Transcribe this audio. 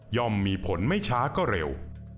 มีผลไม่ช้าก็เร็ว